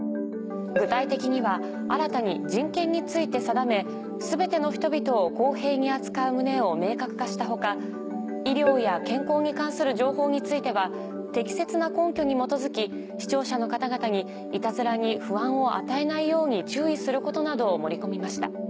具体的には新たに人権について定めすべての人々を公平に扱う旨を明確化した他医療や健康に関する情報については適切な根拠に基づき視聴者の方々にいたずらに不安を与えない様に注意することなどを盛り込みました。